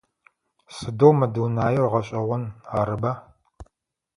Сыдэу мы дунаир гъэшӏэгъон, арыба?